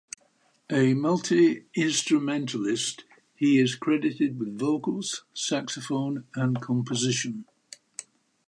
A multi-instrumentalist, he is credited with vocals, saxophone and composition.